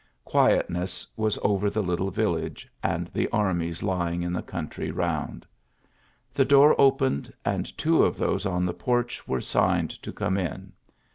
Quietness was over the little village and the armies lying in the country round. The door opened, and two of those on the porch were signed to come in.